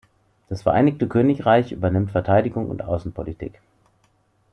Das Vereinigte Königreich übernimmt Verteidigung und Außenpolitik.